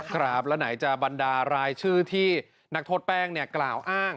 ครับแล้วไหนจะบรรดารายชื่อที่นักโทษแป้งกล่าวอ้าง